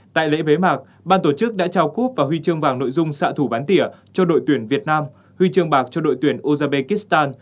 tại lễ bế mạc ban tổ chức đã trao cúp và huy chương vàng nội dung xạ thủ bán tỉa cho đội tuyển việt nam huy chương bạc cho đội tuyển uzbekistan